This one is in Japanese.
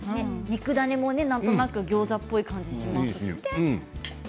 肉ダネも、なんとなくギョーザのような感じしますね。